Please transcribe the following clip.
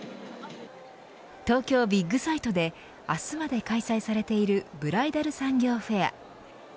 東京ビッグサイトで明日まで開催されているブライダル産業フェア。